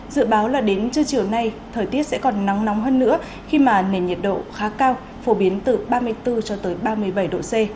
dự báo là đến trưa chiều nay thời tiết sẽ còn nắng nóng hơn nữa khi mà nền nhiệt độ khá cao phổ biến từ ba mươi bốn cho tới ba mươi bảy độ c